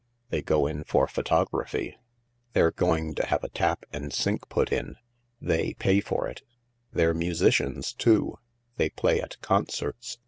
They go in for photography. They're going to have a tap and sink put in. They pay for it 1 They're musicians too : they play at concerts.